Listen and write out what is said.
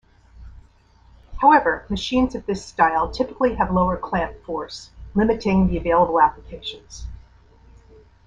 However, machines of this style typically have lower clamp force, limiting the available applications.